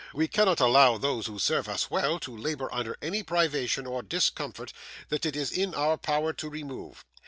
We cannot allow those who serve us well to labour under any privation or discomfort that it is in our power to remove.